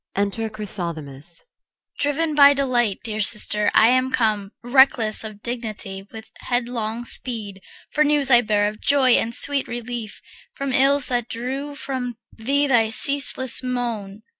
Enter CHRYSOTHEMIS. CHR. Driven by delight, dear sister, I am come, Reckless of dignity, with headlong speed. For news I bear of joy and sweet relief From ills that drew from thee thy ceaseless moan.